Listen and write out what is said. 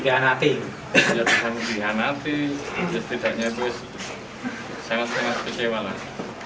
dikianati jadinya itu sangat sangat kecewa lah